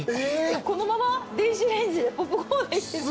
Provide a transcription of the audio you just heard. このまま電子レンジでポップコーン。